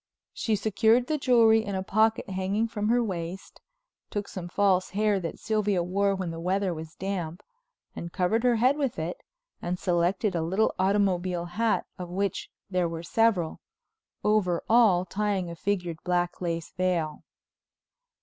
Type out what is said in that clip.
She secured the jewelry in a pocket hanging from her waist, took some false hair that Sylvia wore when the weather was damp, and covered her head with it, and selected a little automobile hat of which there were several, over all tying a figured black lace veil.